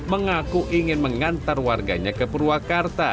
mengaku ingin mengantar warganya ke purwakarta